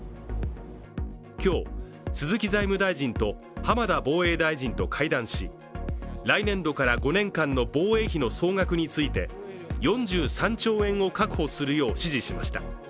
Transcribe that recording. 今日、鈴木財務大臣と浜田防衛大臣と会談し、来年度から５年間の防衛費の総額について４３兆円を確保するよう指示しました。